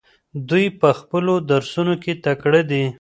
دوی په خپلو درسونو کې تکړه دي.